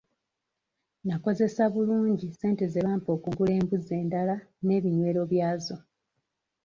Nakozesa bulungi ssente ze bampa okugula embuzi endala n'ebinywero byazo.